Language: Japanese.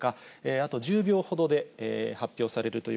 あと１０秒ほどで発表されるとい